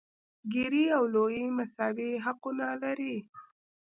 ګېري او لويي مساوي حقونه لري.